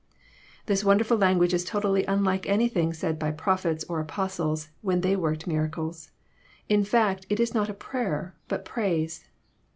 This wonderful language is totally unlike anything said by Prophets or Apostles, when they worked miracles. In fact, it is not prayer, but praise.